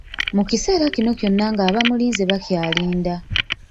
Mu kiseera kino kyonna ng’abamulinze bakyalinda.